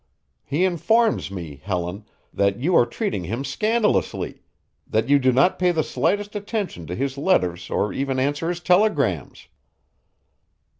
He informs me, Helen, that you are treating him scandalously; that you do not pay the slightest attention to his letters or even answer his telegrams."